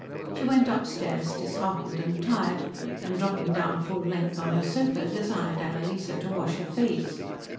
She went upstairs disheartened and tired, and dropping down full length on her sofa desired Annalise to wash her face.